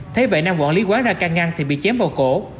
thế vậy nam quản lý quán ra ca ngăn thì bị chém vào cổ